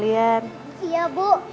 ini gemisnya ibu